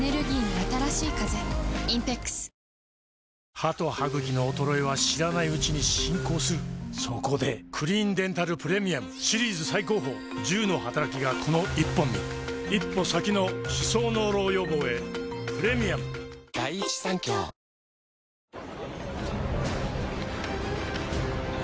歯と歯ぐきの衰えは知らないうちに進行するそこで「クリーンデンタルプレミアム」シリーズ最高峰１０のはたらきがこの１本に一歩先の歯槽膿漏予防へプレミアム明治運動したらザバス。